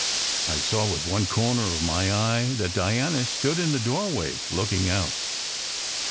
I saw, with one corner of my eye, that Diana stood in the doorway looking out.